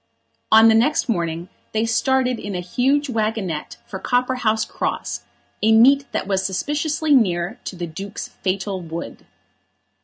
On the next morning they started in a huge waggonette for Copperhouse Cross, a meet that was suspiciously near to the Duke's fatal wood.